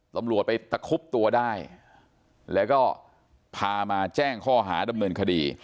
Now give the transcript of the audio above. ตำรวจไปตะคุบตัวได้แล้วก็พามาแจ้งข้อหาดำเนินคดี